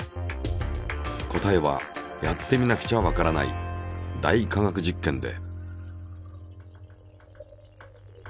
答えはやってみなくちゃわからない「大科学実験」で。